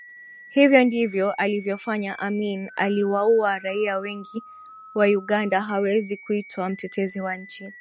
Hivyo ndivyo alivyofanya Amin aliwaua raia wengi wa Uganda hawezi kuitwa mtetezi wa nchi